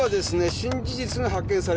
新事実が発見されまして。